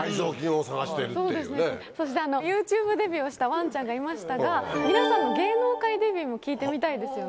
そしてＹｏｕＴｕｂｅデビューをしたワンちゃんがいましたが皆さんの芸能界デビューも聞いてみたいですよね。